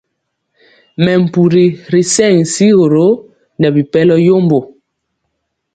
Mɛmpuri ri sɛŋ sigoro nɛ bipɛlɔ yembo.